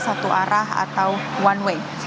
satu arah atau one way